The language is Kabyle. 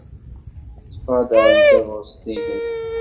Ttqadarent tabɣest-nnem.